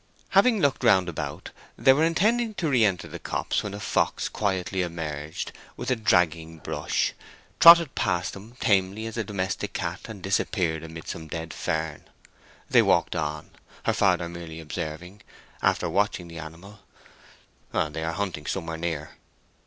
Having looked round about, they were intending to re enter the copse when a fox quietly emerged with a dragging brush, trotted past them tamely as a domestic cat, and disappeared amid some dead fern. They walked on, her father merely observing, after watching the animal, "They are hunting somewhere near."